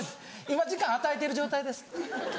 今時間与えてる状態です。